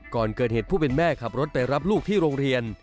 ก่อนเกิดเหตุผู้เป็นแม่ขับรถไปรับลูกที่โรงเรียน